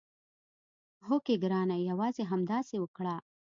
هوکې ګرانه یوازې همداسې وکړه.